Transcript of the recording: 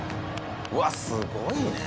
うわっすごいね。